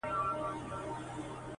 که را مخ زما پر لور هغه صنم کا,